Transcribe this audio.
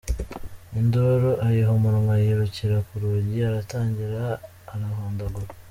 Induru ayiha umunwa, yirukira ku rugi aratangira arahondagura.